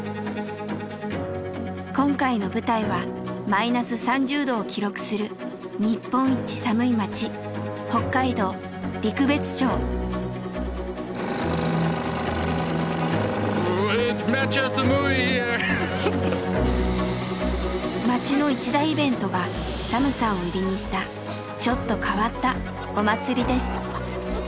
今回の舞台はマイナス３０℃を記録する日本一寒い町町の一大イベントが「寒さ」を売りにしたちょっと変わった「お祭り」です。